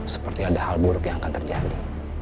seperti ada hal buruk yang akan terjadi